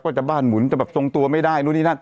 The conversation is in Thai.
ก็จะบ้านหมุนจะแบบทรงตัวไม่ได้